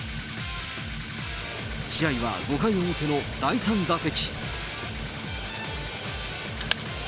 試合は５回表の第３打席。